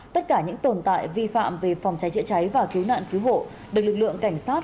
tất cả những tồn tại vi phạm về phòng trái trịa trái và cứu nạn cứu hộ được lực lượng cảnh sát